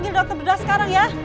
tidak pernah sempurna